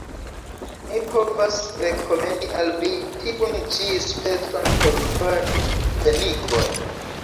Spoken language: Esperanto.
Mi povas rekomendi al vi tiun ĉi specon por kvar pfenigoj.